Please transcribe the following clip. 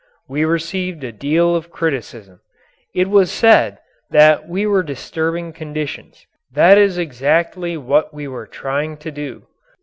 We received a deal of criticism. It was said that we were disturbing conditions. That is exactly what we were trying to do.